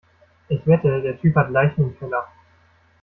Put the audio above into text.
Ich wette, der Typ hat Leichen im Keller.